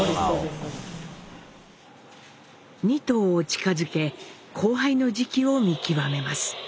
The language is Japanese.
２頭を近づけ交配の時期を見極めます。